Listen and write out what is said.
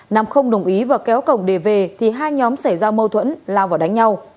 nam không đồng ý và kéo cổng để về thì hai nhóm xảy ra mâu thuẫn lao vào đánh nhau